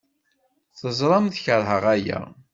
Teẓramt keṛheɣ aya.